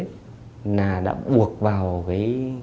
là đã buộc vào cái